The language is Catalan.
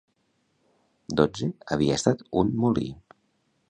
XII havia estat un molí.